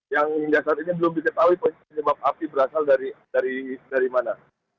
yang hingga saat ini belum diketahui penyebab api berasal dari mana